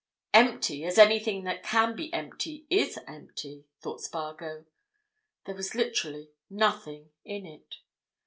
Empty, as anything that can be empty is empty! thought Spargo: there was literally nothing in it.